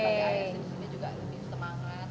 kita sebagai as ini juga lebih semangat